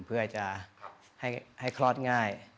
เพื่อจะให้คลอดง่าย